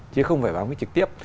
chứ không phải bám cái trực tiếp